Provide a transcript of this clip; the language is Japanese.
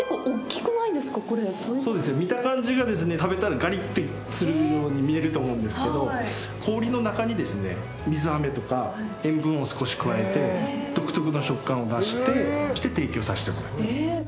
見た感じがですね、食べたらがりっとするように見えると思うんですけれども氷の中にですね、水あめとか塩分を少し加えて、独特の食感を出して、そして提供させてもらっています。